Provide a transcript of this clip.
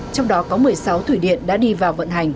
trong đó có một mươi sáu thủy điện đã đi vào vận hành